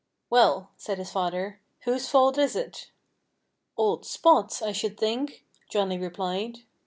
"Well," said his father, "whose fault is it?" "Old Spot's, I should think!" Johnnie replied.